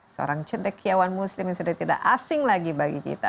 seorang cendekiawan muslim yang sudah tidak asing lagi bagi kita